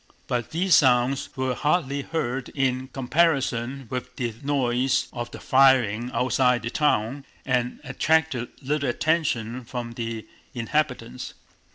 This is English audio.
But these sounds were hardly heard in comparison with the noise of the firing outside the town and attracted little attention from the inhabitants.